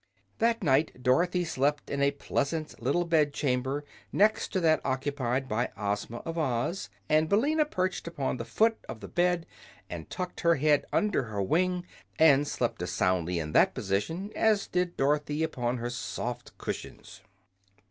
That night Dorothy slept in a pleasant little bed chamber next to that occupied by Ozma of Oz, and Billina perched upon the foot of the bed and tucked her head under her wing and slept as soundly in that position as did Dorothy upon her soft cushions.